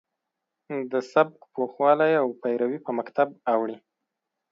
د سبک پوخوالی او پیروي په مکتب اوړي.